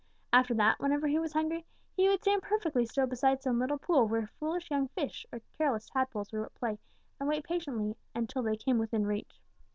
After that, whenever he was hungry, he would stand perfectly still beside some little pool where foolish young fish or careless tadpoles were at play and wait patiently until they came within reach.